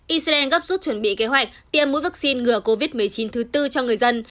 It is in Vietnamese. israel gấp rút chuẩn bị kế hoạch tiêm mỗi vaccine ngừa covid một mươi chín thứ tư cho người dân